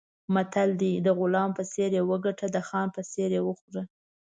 متل دی: د غلام په څېر یې وګټه، د خان په څېر یې وخوره.